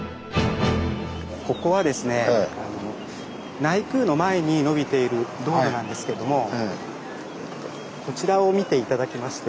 ここはですね内宮の前にのびている道路なんですけどもこちらを見て頂きまして。